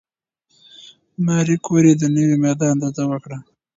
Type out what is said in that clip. ماري کوري د نوې ماده اندازه وکړه.